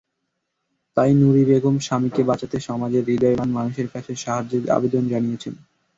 তাই নুরী বেগম স্বামীকে বাঁচাতে সমাজের হৃদয়বান মানুষের কাছে সাহায্যের আবেদন জানিয়েছেন।